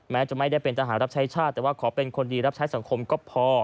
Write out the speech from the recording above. แม้จะไม่ได้เป็นทหารรับใช้ชาติแต่ว่าขอเป็นคนดีรับใช้สังคมก็พอ